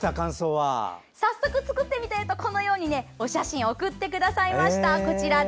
早速作ってみたよとお写真を送ってくださいました。